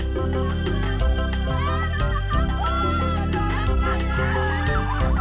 terima kasih mas